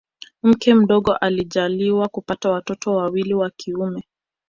Mke mdogo alijaliwa kupata watoto wawili wa kiume